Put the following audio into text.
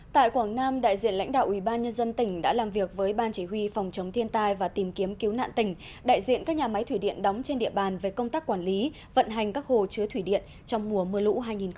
tại quảng nam đại diện lãnh đạo ubnd tỉnh đã làm việc với ban chỉ huy phòng chống thiên tai và tìm kiếm cứu nạn tỉnh đại diện các nhà máy thủy điện đóng trên địa bàn về công tác quản lý vận hành các hồ chứa thủy điện trong mùa mưa lũ hai nghìn một mươi chín